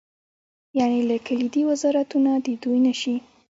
یعنې که کلیدي وزارتونه د دوی نه شي.